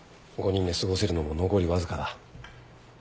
５人で過ごせるのも残りわずかだ。